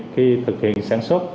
khi thực hiện sản xuất